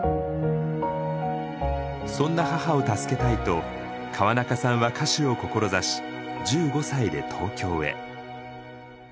そんな母を助けたいと川中さんは歌手を志し１５歳で東京へ。